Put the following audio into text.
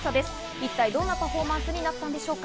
一体どんなパフォーマンスになったんでしょうか。